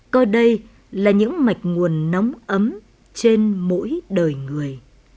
coi đây là những mạch nguồn nóng ấm trên mỗi đời người